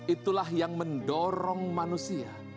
itulah yang mendorong manusia